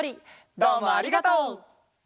どうもありがとう。